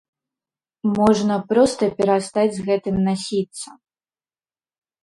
Можна проста перастаць з гэтым насіцца.